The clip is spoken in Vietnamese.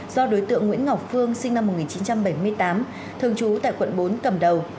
do đối tượng nguyễn ngọc phương sinh năm một nghìn chín trăm bảy mươi tám thường trú tại quận bốn cầm đầu